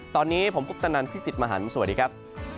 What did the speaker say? ตอนนี้ผมกุ๊บตะนันพิสิทธิ์มหาลสวัสดีครับ